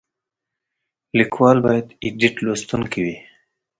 کالم لیکوال باید ابډیټ لوستونکی وي.